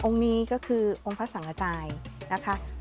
องค์นี้ก็คือองค์พระสังอาจารย์นะคะ